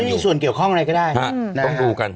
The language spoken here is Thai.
อาจจะไม่มีส่วนเกี่ยวข้องอะไรก็ได้ต้องดูกัน